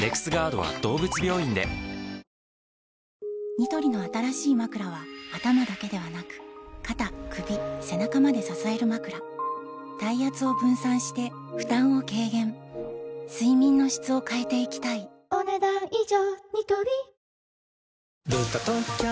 ニトリの新しいまくらは頭だけではなく肩・首・背中まで支えるまくら体圧を分散して負担を軽減睡眠の質を変えていきたいお、ねだん以上。